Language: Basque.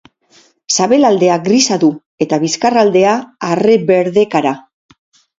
Sabelaldea grisa du eta bizkarraldea arre-berdekara.